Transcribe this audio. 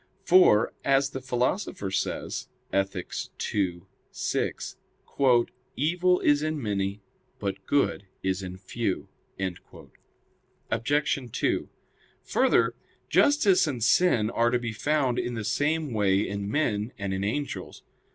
For, as the Philosopher says (Ethic. ii, 6): "Evil is in many, but good is in few." Obj. 2: Further, justice and sin are to be found in the same way in men and in angels.